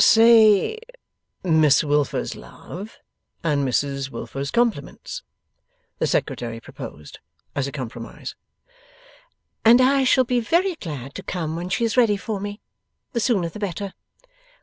['Say Miss Wilfer's love, and Mrs Wilfer's compliments,' the Secretary proposed, as a compromise.) 'And I shall be very glad to come when she is ready for me. The sooner, the better.